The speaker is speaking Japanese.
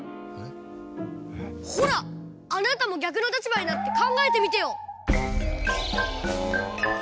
ほらあなたも逆の立場になってかんがえてみてよ！